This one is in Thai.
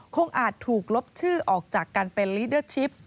อาจถูกลบชื่อออกจากการเป็นลิเดอร์ชิป